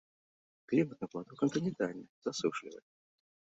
Клімат на плато кантынентальны засушлівы.